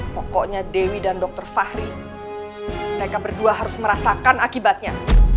pokoknya dewi dan dokter fahri mereka berdua harus merasakan akibatnya